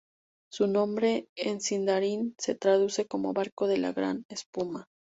Su nombre en sindarin se traduce como ‘barco de la gran espuma’.